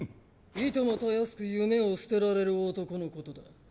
いともたやすく夢を捨てられる男のことだ。